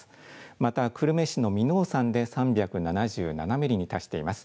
また、久留米市の耳納山で３７７ミリに達しています。